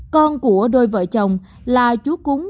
con của đôi vợ chồng là chú cúng